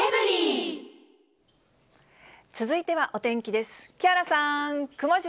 続いてはお天気です。